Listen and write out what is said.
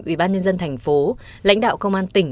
ủy ban nhân dân thành phố lãnh đạo công an tỉnh